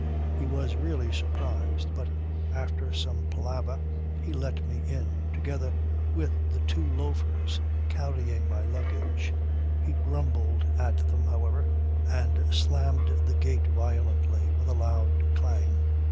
"He was really surprised, but after some palaver he let me in together with the two loafers carrying my luggage. He grumbled at them however and slammed the gate violently with a loud clang.